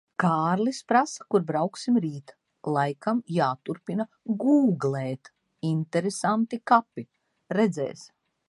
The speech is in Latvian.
Kārlis prasa, kur brauksim rīt. Laikam jāturpina gūglēt "interesanti kapi". Redzēs.